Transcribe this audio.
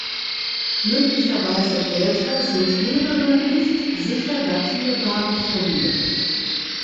Möglicherweise älter sind mehrere nicht sicher datierbare Funde.